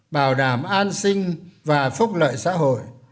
bảo đảm an sinh và phúc lợi xã hội